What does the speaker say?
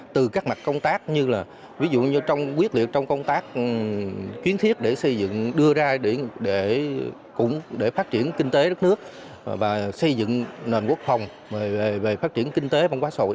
tổng bí thư nguyễn phú trọng đưa ra để phát triển kinh tế đất nước và xây dựng nền quốc phòng về phát triển kinh tế văn hóa xã hội